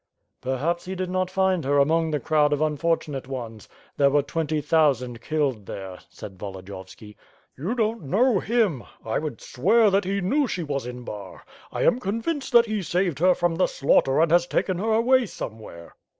'* "Perhaps he did not find her among the crowd of unfor tunate ones. There were twenty thousand killed there,'' said Volodiyovski. "You don't know him. I would swear that he knew she was in Bar. I am convinced that he saved her from the slaughter and has taken her away somewhere."